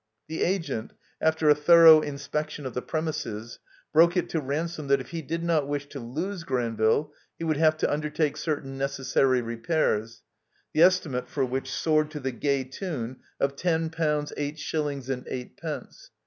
The agent, after a thorough inspection of the premises, broke it to Ransome that if he did not wish to lose Granville, he would have to tmdertake certain neces sary repairs, the estimate for which soared to the gay tune of ten pounds eight shillings and eight* pence.